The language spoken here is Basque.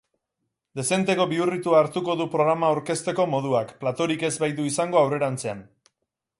Dezenteko bihurritua hartuko du programa aurkezteko moduak, platorik ez baitu izango aurrerantzean.